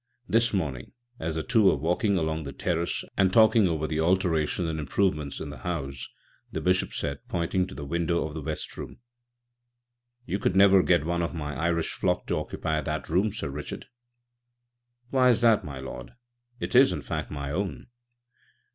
This morning, as the two were walking along the terrace and talking over the alterations and improvements in the house, the Bishop said, pointing to the window of the West Room: "You could never get one of my Irish flock to occupy that room, Sir Richard." "Why is that, my lord? It is in fact, my own."